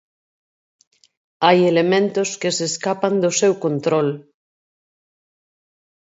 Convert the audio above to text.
Hai elementos que se escapan do seu control.